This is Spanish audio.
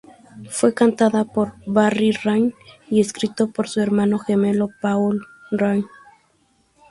Fue cantada por Barry Ryan y escrito por su hermano gemelo Paul Ryan.